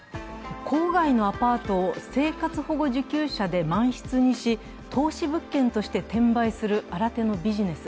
郊外のアパートを生活保護受給者で満室にし、投資物件として転売する新手のビジネス。